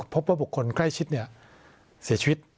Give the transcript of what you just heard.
พบว่าบุคคลใกล้ชิดเสียชีวิต